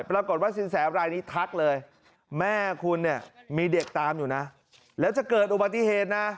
ปรากฏว่าสินแสรายนี้ทักเลยแม่คุณเนี่ยมีเด็กตามอยู่นะแล้วจะเกิดอุบัติเหตุนะ